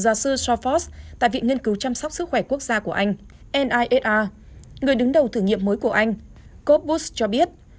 giáo sư shawfoss tại viện nghiên cứu chăm sóc sức khỏe quốc gia của anh nihr người đứng đầu thử nghiệm mới của anh coopbus cho biết